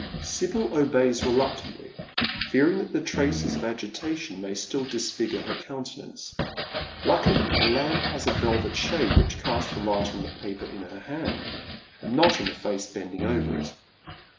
Sibyl obeys reluctantly, fearing that the traces of agitation may still disfigure her countenance. Luckily, the lamp has a velvet diade which casts the light on the paper in her hand, and not on the face bending over it.